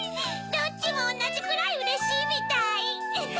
どっちもおんなじぐらいうれしいみたい。